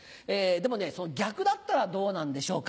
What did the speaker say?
でもね逆だったらどうなんでしょうか？